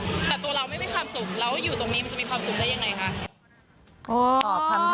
แต่ตัวเราไม่มีความสุขแล้วอยู่ตรงนี้มันจะมีความสุขได้ยังไงคะ